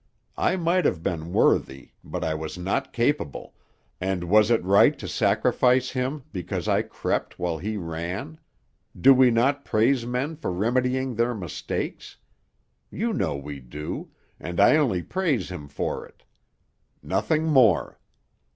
I might have been worthy; but I was not capable, and was it right to sacrifice him because I crept while he ran? Do we not praise men for remedying their mistakes? You know we do, and I only praise him for it; nothing more.